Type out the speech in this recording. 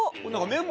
メモ